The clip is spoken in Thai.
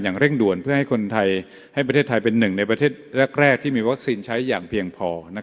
เร่งด่วนเพื่อให้คนไทยให้ประเทศไทยเป็นหนึ่งในประเทศแรกที่มีวัคซีนใช้อย่างเพียงพอ